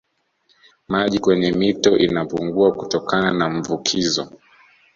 Maji kwenye mito inapungua kutokana na mvukizo